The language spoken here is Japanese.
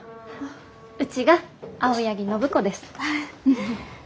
うちが青柳暢子です。